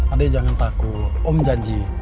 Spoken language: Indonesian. adek jangan takut om janji